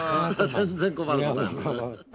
全然困ることはない。